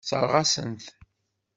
Tessṛeɣ-asen-t.